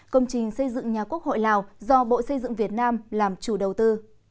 công trình xây dựng nhà quốc hội lào do bộ xây dựng việt nam làm chủ đầu tư